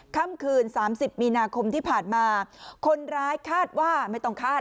ค่ำคืนสามสิบมีนาคมที่ผ่านมาคนร้ายคาดว่าไม่ต้องคาด